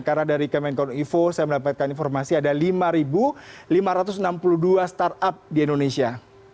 karena dari kemenkon ivo saya mendapatkan informasi ada lima lima ratus enam puluh dua startup di indonesia